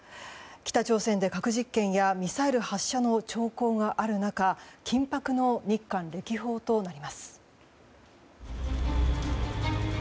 北朝鮮で核実験やミサイル発射の兆候がある中緊迫の日韓歴訪となります。